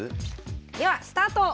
ではスタート。